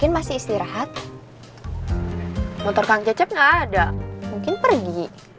motor kang cecep gak ada mungkin pergi